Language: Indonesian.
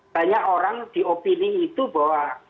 banyak orang diopini itu bahwa